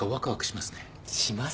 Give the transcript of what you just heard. しますね。